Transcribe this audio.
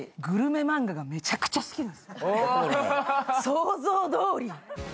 想像どおり。